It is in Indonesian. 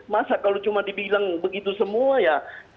masa kalau cuma dibilang begitu semua ya